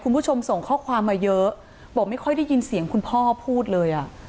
คุณผู้ชมส่งข้อความมาเยอะบอกไม่ค่อยได้ยินเสียงคุณพ่อพูดเลยอ่ะ